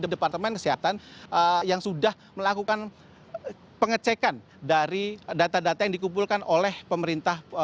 departemen kesehatan yang sudah melakukan pengecekan dari data data yang dikumpulkan oleh pemerintah